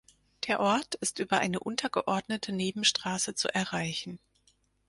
Der Ort ist über eine untergeordnete Nebenstraße zu erreichen.